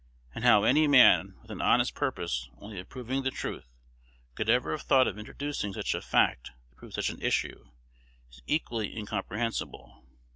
And how any man, with an honest purpose only of proving the truth, could ever have thought of introducing such a fact to prove such an issue, is equally incomprehensible.